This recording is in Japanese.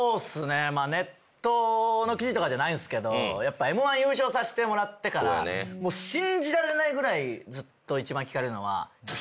ネットの記事とかじゃないんすけどＭ−１優勝させてもらってから信じられないぐらいずっと。